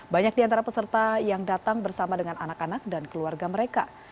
banyak di antara peserta yang datang bersama dengan anak anak dan keluarga mereka